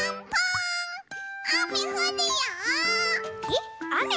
えっあめ？